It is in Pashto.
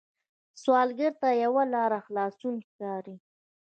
سوالګر ته یوه لاره خلاصون ښکاري